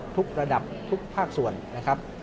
ทุกระดับทุกภาคส่วนนะครับ